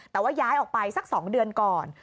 แต่ว่าย้ายออกไปสัก๒เดือนก่อน